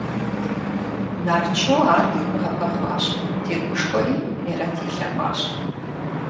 Нарчу ар и гуапэ хъуащ, тегушхуэри Мерэт елъэӀуащ.